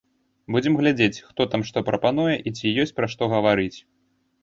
Будзем глядзець, хто там што прапануе, і ці ёсць пра што гаварыць.